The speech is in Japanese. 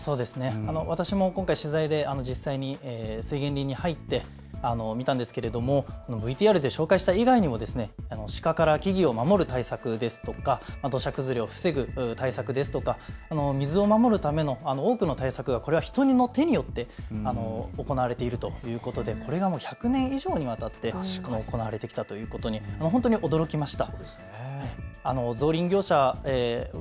私も今回、実際取材で森林に入ってみたんですけれどもＶＴＲで紹介した以外にも鹿から木々を守る対策ですとか土砂崩れを防ぐ対策ですとか水を守るための多くの対策が人の手によって行われているということで、これが１００年以上にわたって行われきたということに本当に驚きました。